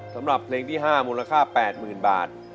สำหรับเพลงที่ห้ามูลค่าแปดหมื่นบาท